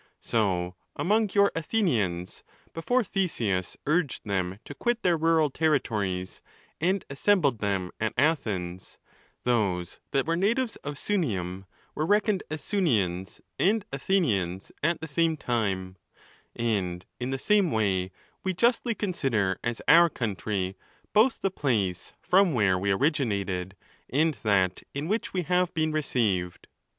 So among your Athenians, before Theseus urged them to quit their rural territories, and assembled them at Athens, those that were natives of Sunium, were reckoned as Sunians and Athenians at the same time ; and, in the same way, we justly consider as our country, both the place from where we originated and that in which we have been received.